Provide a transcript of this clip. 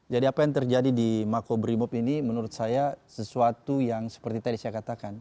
jadi apa yang terjadi di makobrimob ini menurut saya sesuatu yang seperti tadi saya katakan